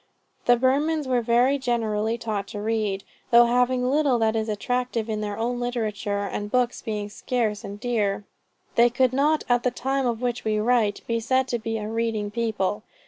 The Burmans are very generally taught to read, though having little that is attractive in their own literature, and books being scarce and dear, they could not at the time of which we write, be said to be a reading people.